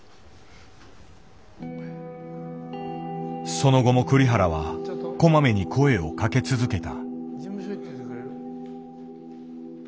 その後も栗原はこまめに声をかけ続けた。